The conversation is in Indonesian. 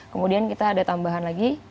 kemudian kita ada tambahan lagi